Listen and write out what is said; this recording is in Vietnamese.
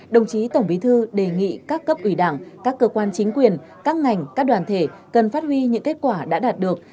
đồng chí tổng bí thư đề nghị các cấp ủy đảng các cơ quan chính quyền các ngành các đoàn thể cần phát huy những kết quả đã đạt được